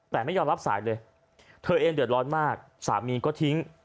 แต่ไม่ยอมรับสายเลยเธอเองเดือดร้อนมากสามีก็ทิ้ง